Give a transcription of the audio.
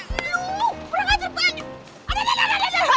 serahin dompet lo bertiga